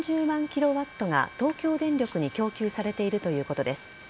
キロワットが東京電力に供給されているということです。